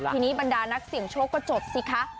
ทีนี้บรรดานักเสี่ยงโชคก็จบสิคะ